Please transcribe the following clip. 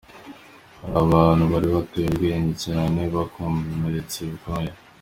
Hari abantu bari bataye ubwenge cyangwa bakomeretse bikomey.